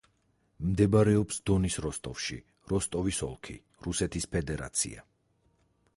მდებარეობს დონის როსტოვში, როსტოვის ოლქი, რუსეთის ფედერაცია.